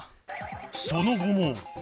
その後も